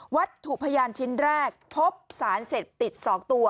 วัดถูกพยานชิ้นแรกพบสารเสร็จปิด๒ตัว